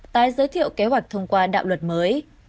tái giới thiệu kế hoạch thông qua đạo luật mới